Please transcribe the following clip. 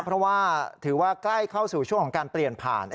เพราะว่าถือว่าใกล้เข้าสู่ช่วงของการเปลี่ยนผ่าน